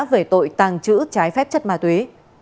về tội tàng trữ trái phép chất ma túy